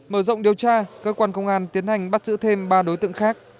mở rộng điều tra cơ quan công an tiến hành bắt giữ thêm ba đối tượng khác